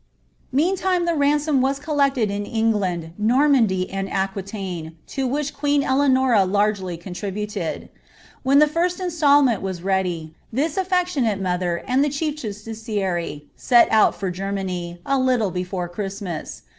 Meantime the ransom was collected in England, Normandy, and Aqui taine, to which queen Eleanora largely contributed. When the ^rst instalment was ready, this affectionate mother and the chief justiciary Rt out for Germany, a little before Christmas.